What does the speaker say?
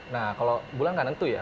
nah kalau bulan nggak nentu ya